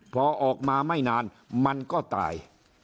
พอออกมาไม่นานมันก็ตาย